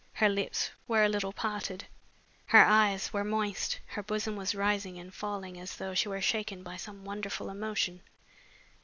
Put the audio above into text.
Her lips were a little parted, her eyes were moist, her bosom was rising and falling as though she were shaken by some wonderful emotion.